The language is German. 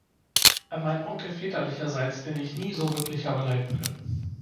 An meinen Onkel väterlicherseits, den ich nie so wirklich habe leiden können".